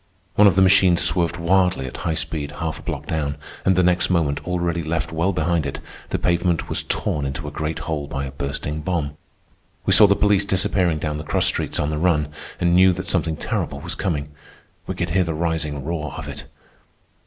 One of the machines swerved wildly at high speed half a block down, and the next moment, already left well behind it, the pavement was torn into a great hole by a bursting bomb. We saw the police disappearing down the cross streets on the run, and knew that something terrible was coming. We could hear the rising roar of it.